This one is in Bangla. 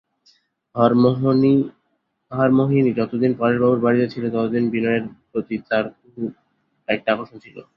হরিমোহিনী যতদিন পরেশবাবুর বাড়িতে ছিলেন ততদিন বিনয়ের প্রতি তাঁহার খুব একটা আকর্ষণ ছিল।